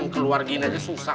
keluar gini aja susah